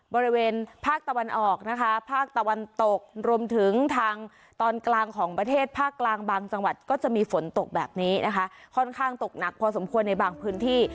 บริเวณภาคตะวันออกนะคะภาคตะวันตกรวมถึงทางตอนกลางของประเทศภาคกลางบางจังหวัดก็จะมีฝนตกแบบนี้นะคะค่อนข้างตกหนักพอสมควรในบางพื้นที่